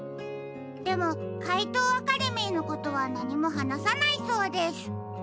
でもかいとうアカデミーのことはなにもはなさないそうです。